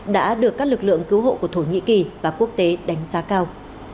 đã được các lực lượng cứu hộ của thổ nhĩ kỳ và quốc tế đánh giá cao